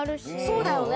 そうだよね。